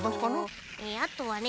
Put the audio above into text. あとはね